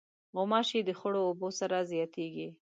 غوماشې د خړو اوبو سره زیاتیږي.